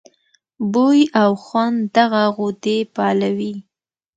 بوۍ او خوند دغه غدې فعالوي.